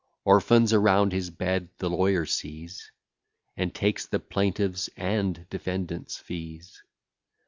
Orphans around his bed the lawyer sees, And takes the plaintiff's and defendant's fees.